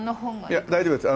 いや大丈夫です。